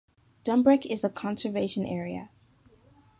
Dumbreck is a conservation area.